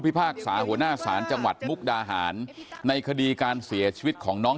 พากษาหัวหน้าศาลจังหวัดมุกดาหารในคดีการเสียชีวิตของน้อง